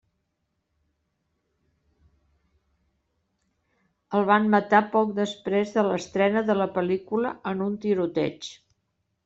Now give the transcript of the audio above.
El van matar poc després de l'estrena de la pel·lícula en un tiroteig.